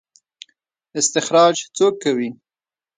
استخراج څوک کوي؟